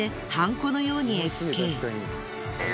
このように絵付け。